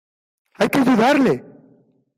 ¡ Hay que ayudarle!